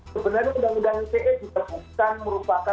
sebenarnya undang undang ite juga bukan merupakan